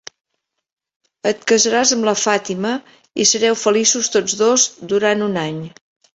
Et casaràs amb la Fàtima i sereu feliços tots dos durant un any.